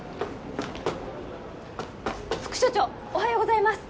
副署長おはようございます！